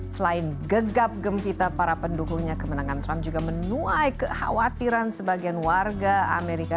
selain gegap gempita para pendukungnya kemenangan trump juga menuai kekhawatiran sebagian warga amerika